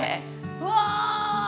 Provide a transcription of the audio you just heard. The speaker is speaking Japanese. うわ！